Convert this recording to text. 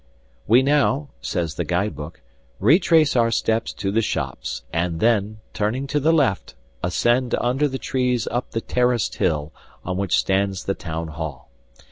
"We now," says the guide book, "retrace our steps to the shops, and then, turning to the left, ascend under the trees up the terraced hill on which stands the Town Hall.